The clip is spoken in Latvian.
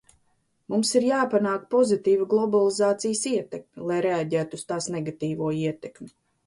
Mums ir jāpanāk pozitīva globalizācijas ietekme, lai reaģētu uz tās negatīvo ietekmi.